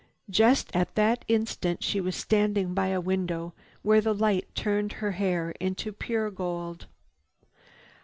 Just at that instant she was standing by a window where the light turned her hair into pure gold.